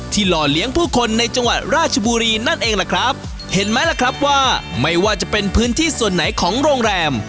หล่อเลี้ยงผู้คนในจังหวัดราชบุรีนั่นเองล่ะครับเห็นไหมล่ะครับว่าไม่ว่าจะเป็นพื้นที่ส่วนไหนของโรงแรม